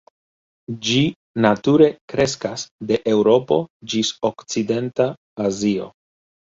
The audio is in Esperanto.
Ĝi nature kreskas de Eŭropo ĝis okcidenta Azio.